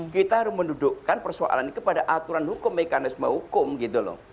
kita harus mendudukkan persoalan ini kepada aturan hukum mekanisme hukum gitu loh